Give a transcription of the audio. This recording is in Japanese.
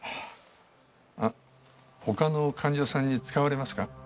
あっ他の患者さんに使われますか？